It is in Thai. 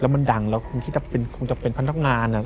แล้วมันดังแล้วจะคงเป็นพนักงาน